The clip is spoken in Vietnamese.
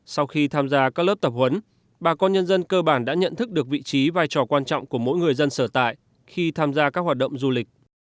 sau khi tham gia các lớp tập huấn bà con nhân dân cơ bản đã nhận thức được vị trí vai trò quan trọng của mỗi người dân sở tại khi tham gia các hoạt động du lịch